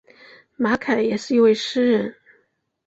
马凯也是一位诗人。